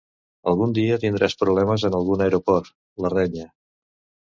Agun dia tindràs problemes en algun aeroport —la renya.